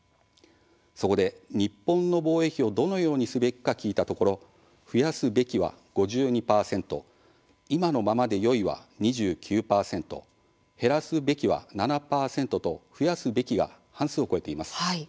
そこで、日本の防衛費をどのようにすべきか聞いたところ「増やすべき」は５２％「今のままでよい」は２９％「減らすべき」は７％と「増やすべき」は半数を超えています。